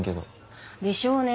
でしょうね。